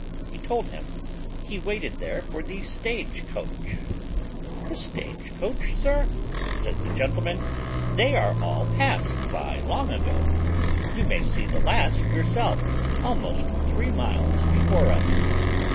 He told him, "He waited there for the stage coach." "The stage coach, sir!" said the gentleman; "they are all passed by long ago. You may see the last yourself almost three miles before us."